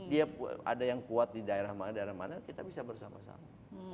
dia ada yang kuat di daerah mana daerah mana kita bisa bersama sama